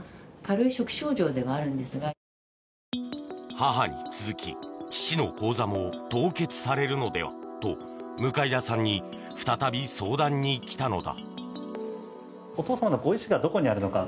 母に続き父の口座も凍結されるのではと向田さんに再び相談に来たのだ。